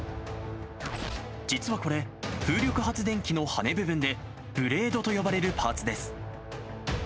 実はこれ、風力発電機の羽根部分で、ブレードと呼ばれるパーツです。